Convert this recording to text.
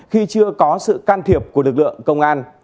khi chưa có sự can thiệp của lực lượng công an